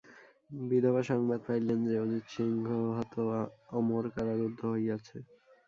বিধবাসংবাদ পাইলেন যে, অজিতসিংহ হত ও অমর কারারুদ্ধ হইয়াছে।